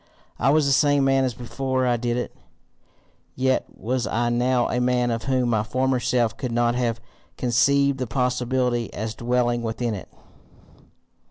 I was the same man as before I did it, yet was I now a man of whom my former self could not have conceived the possibility as dwelling within it.